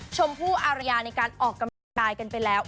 ชมพู่อารยาในการออกกำลังกายกันไปแล้ว